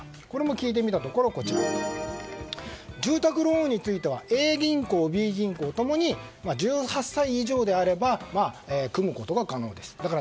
これも聞いてみたところ住宅ローンについてはＡ銀行、Ｂ銀行共に１８歳以上であれば組むことが可能です。